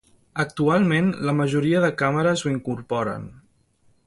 Actualment, la majoria de càmeres ho incorporen.